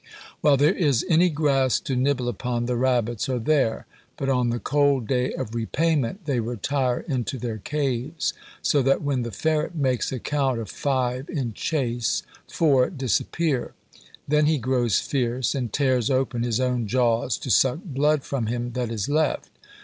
"While there is any grass to nibble upon, the rabbits are there; but on the cold day of repayment they retire into their caves; so that when the ferret makes account of five in chase, four disappear. Then he grows fierce, and tears open his own jaws to suck blood from him that is left.